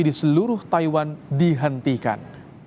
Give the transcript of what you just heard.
di seluruh taiwan dihentikan